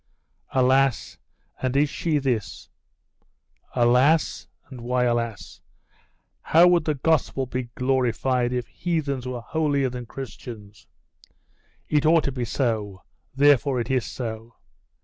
'Alas! and is she this?' 'Alas! And why alas? How would the Gospel be glorified if heathens were holier than Christians? It ought to be so, therefore it is so.